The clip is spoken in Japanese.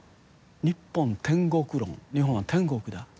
ニッポン天国論日本は天国だ。